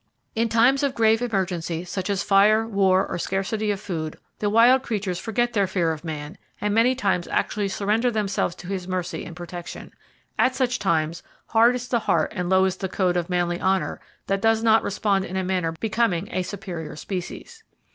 In times of grave emergency, such as fire, war and scarcity of food, the wild creatures forget their fear of man, and many times actually surrender themselves to his mercy and protection. At such times, hard is the heart and low is the code of manly honor that does not respond in a manner becoming a superior species.